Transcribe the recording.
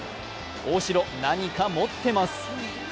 大城、何か持ってます。